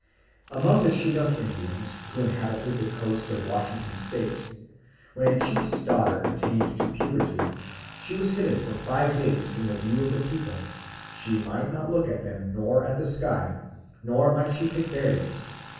Among the Chinook Indians who inhabited the coast of Washington State, when a chief's daughter attained to puberty, she was hidden for five days from the view of the people; she might not look at them nor at the sky, nor might she pick berries.